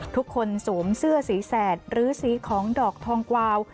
สวมเสื้อสีแสดหรือสีของดอกทองกวาว